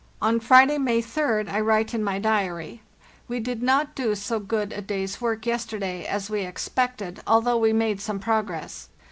On Friday, May 3d, I write in my diary: " We did not do so good a day's work yesterday as we expected, although we made some progress.